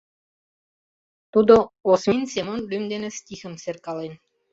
Тудо Осмин Семон лӱм дене стихым серкален.